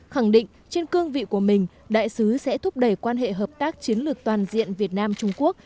khẳng định trên cương vị của mình đại sứ sẽ thúc đẩy quan hệ hợp tác chiến lược toàn diện việt nam trung quốc